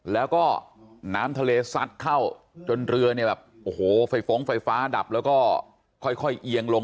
แล้วก็น้ำทะเลซัดเข้าจนเรือเนี่ยแบบโอ้โหไฟฟ้องไฟฟ้าดับแล้วก็ค่อยเอียงลง